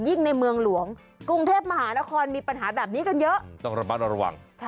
ในเมืองหลวงกรุงเทพมหานครมีปัญหาแบบนี้กันเยอะต้องระมัดระวัง